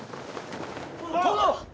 殿！